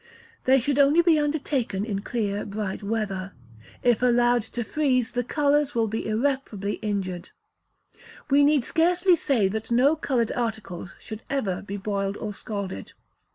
They should only be undertaken in clear bright weather. If allowed to freeze, the colours will be irreparably injured. We need scarcely say that no coloured articles should ever be boiled or scalded.